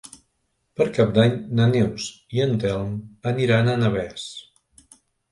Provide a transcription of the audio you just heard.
Per Cap d'Any na Neus i en Telm aniran a Navès.